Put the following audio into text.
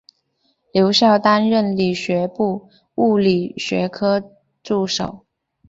留校担任理学部物理学科助手。